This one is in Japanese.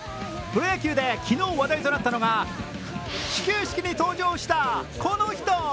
プロ野球で昨日話題となったのが始球式に登場したこの人。